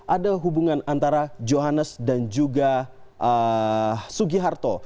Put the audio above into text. ada hubungan antara johannes dan juga sugiharto